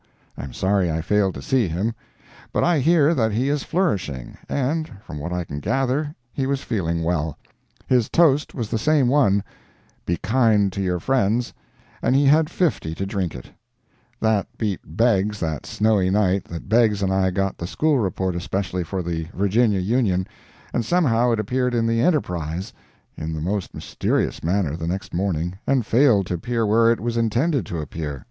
I am sorry I failed to see him. But I hear that he is flourishing, and, from what I can gather, he was feeling well. His toast was the same one ("Be kind to your friends," and he had fifty to drink it) that beat Beggs that snowy night that Beggs and I got the school report especially for the Virginia Union, and somehow it appeared in the ENTERPRISE in the most mysterious manner the next morning and failed to appear where it was intended to appear.